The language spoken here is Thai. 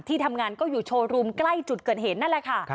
ทำงานก็อยู่โชว์รูมใกล้จุดเกิดเหตุนั่นแหละค่ะ